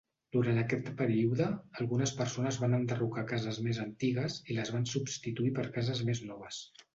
Durant aquest període, algunes persones van enderrocar cases més antigues i les van substituir per cases més noves.